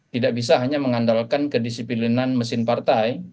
tidak bisa hanya mengandalkan kedisiplinan mesin partai